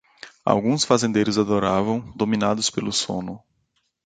Alguns fazendeiros adoravam, dominados pelo sono.